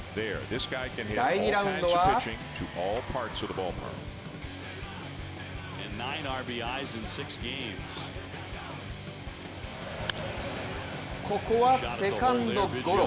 第２ラウンドはここはセカンドゴロ。